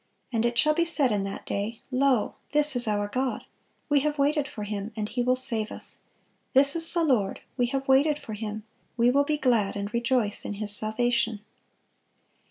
And it shall be said in that day, Lo, this is our God; we have waited for Him, and He will save us: this is the Lord; we have waited for Him, we will be glad and rejoice in His salvation."